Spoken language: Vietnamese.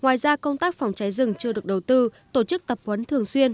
ngoài ra công tác phòng cháy rừng chưa được đầu tư tổ chức tập huấn thường xuyên